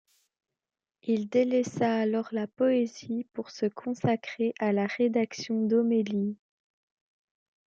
Il délaissa alors la poésie pour se consacrer à la rédaction d'homélie.